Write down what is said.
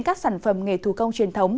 các sản phẩm nghề thủ công truyền thống